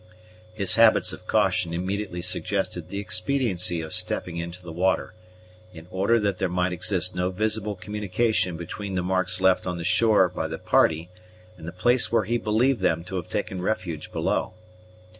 His habits of caution immediately suggested the expediency of stepping into the water, in order that there might exist no visible communication between the marks left on the shore by the party and the place where he believed them to have taken refuge below.